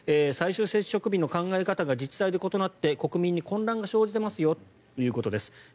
最終接触日の考え方が自治体で異なって国民に混乱が生じていますよということです。